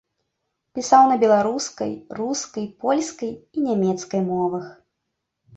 Пісаў на беларускай, рускай, польскай і нямецкай мовах.